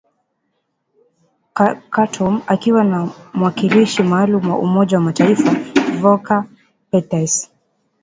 Khartoum akiwa na mwakilishi maalum wa umoja wa mataifa Volker Perthes